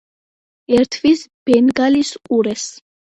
ერთვის ბენგალის ყურეს.